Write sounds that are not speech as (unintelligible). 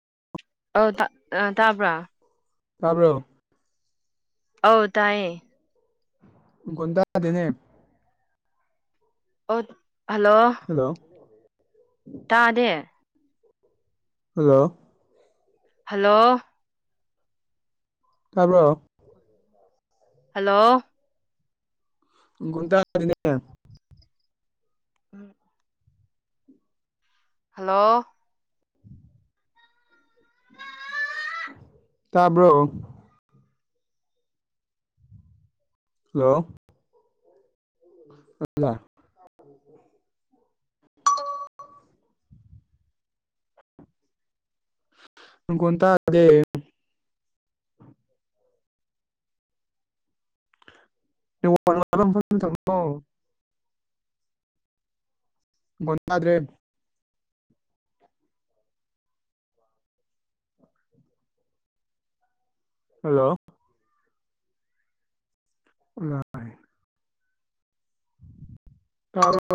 ꯑꯧ ꯇꯥ ꯑ ꯇꯥꯕ꯭ꯔ ꯇꯥꯕ꯭ꯔꯣ ꯑꯧ ꯇꯥꯏꯌꯦ ꯃꯈꯣꯟ ꯇꯥꯗꯦꯅꯦ ꯑꯣꯠ ꯍꯜꯂꯣ ꯍꯜꯂꫭ ꯇꯥꯗꯦ ꯍꯜꯂꯣ ꯍꯜꯂꯣ ꯇꯥꯕ꯭ꯔꯣ ꯍꯜꯂꯣ (unintelligible) ꯎꯝ ꯍꯜꯂꯣ ꯇꯥꯕ꯭ꯔꯣ ꯍꯜꯂꯣ ꯑꯂ (unintelligible) (unintelligible) ꯃꯈꯣꯟ ꯇꯥꯗ‌ꯦ (unintelligible) ꯃꯈꫭꯟ ꯇꯥꯗꯔꯦ ꯍꯜꯂꯣ ꯎ (unintelligible) ꯇꯥꯔꯦ (unintelligible)